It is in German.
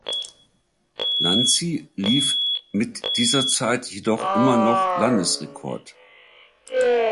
Lanzi lief mit dieser Zeit jedoch immer noch Landesrekord.